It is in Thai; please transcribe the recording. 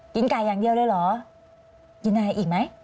ไก่อย่างเดียวเลยเหรอกินอะไรอีกไหม